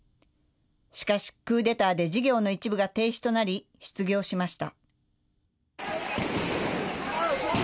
しかし、クーデターで事業の一部が停止となり、失業しました。